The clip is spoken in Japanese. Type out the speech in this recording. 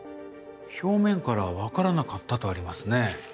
表面からは分からなかったとありますね。